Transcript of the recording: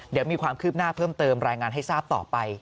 เดี๋ยวมีความคืบหน้าเพิ่มเติมรายงานให้ทราบต่อไป